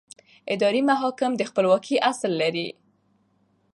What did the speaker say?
اداري محاکم د خپلواکۍ اصل لري.